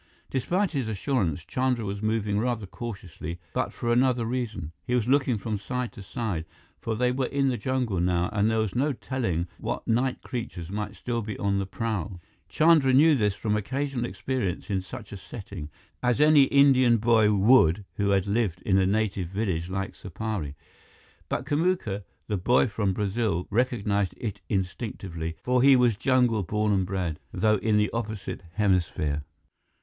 Despite his assurance, Chandra was moving rather cautiously, but for another reason. He was looking from side to side, for they were in the jungle now and there was no telling what night creatures might still be on the prowl. Chandra knew this from occasional experience in such a setting, as any Indian boy would who had lived in a native village like Supari. But Kamuka, the boy from Brazil, recognized it instinctively, for he was jungle born and bred, though in the opposite hemisphere.